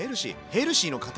ヘルシーの塊。